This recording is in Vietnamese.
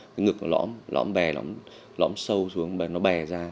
cái ngực nó lõm lõm bè lõm sâu xuống nó bè ra